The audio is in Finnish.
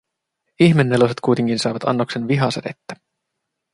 Ihmeneloset kuitenkin saivat annoksen Viha-sädettä